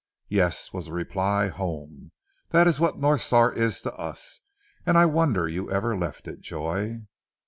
"Yes," was the reply, "home! That is what North Star is to us, and I wonder you ever left it, Joy."